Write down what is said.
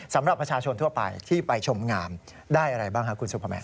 สำหรับประชาชนทั่วไปที่ไปชมงามได้อะไรบ้างครับคุณสุภาแมท